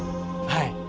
はい。